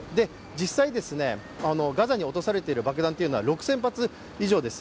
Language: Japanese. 実際、ガザに落とされている爆弾は６０００発以上です。